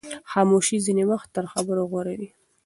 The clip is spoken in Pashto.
خاموشي ځینې وخت تر خبرو غوره وي.